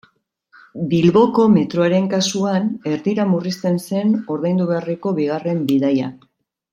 Bilboko metroaren kasuan erdira murrizten zen ordaindu beharreko bigarren bidaia.